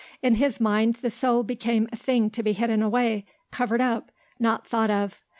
In his mind the soul became a thing to be hidden away, covered up, not thought of.